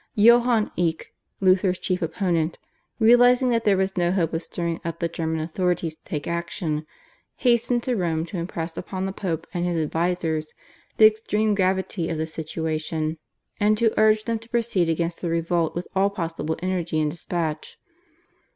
Johann Eck, Luther's chief opponent, realising that there was no hope of stirring up the German authorities to take action, hastened to Rome to impress upon the Pope and his advisers the extreme gravity of the situation, and to urge them to proceed against the revolt with all possible energy and despatch.